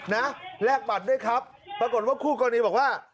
แลกบัตรด้วยครับปรากฏว่าคู่กรณีบอกว่า